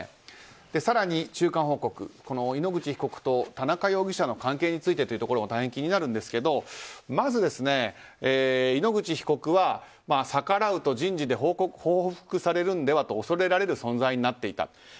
更に、中間報告井ノ口被告と田中容疑者の関係についてというところも大変気になるんですけれどもまず、井ノ口被告は逆らうと人事で報復されるのではと恐れられる存在になっていたと。